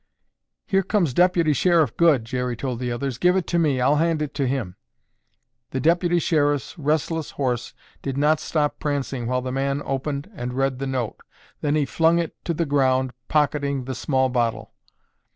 "Here comes Deputy Sheriff Goode," Jerry told the others. "Give it to me! I'll hand it to him." The Deputy Sheriff's restless horse did not stop prancing while the man opened and read the note. Then he flung it to the ground, pocketing the small bottle.